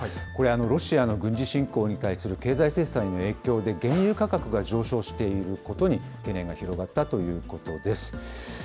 これ、ロシアの軍事侵攻に対する経済制裁の影響で、原油価格が上昇していることに懸念が広がったということです。